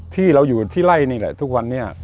ที่เราอยู่ที่ไล่นี่แหละทุกวันนี้